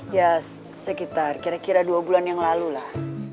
ya sekitar kira kira dua bulan yang lalu lah